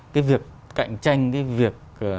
cái việc cạnh tranh cái việc